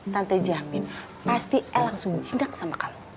tante jamin pasti el langsung cindak sama kamu